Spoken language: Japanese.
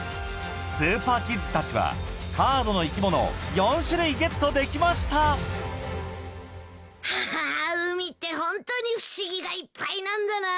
スーパーキッズたちはカードの生き物を４種類ゲットできましたは海ってほんとに不思議がいっぱいなんだな。